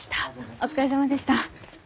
お疲れさまでした。